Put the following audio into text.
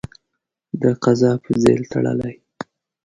د قضا په ځېل تړلی.